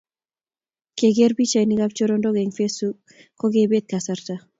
Keker pichainikap chorondok eng facebook ko kepet kasarta